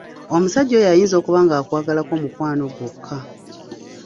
Omusajja oyo ayinza okuba nga akwagalako mukwano gwokka.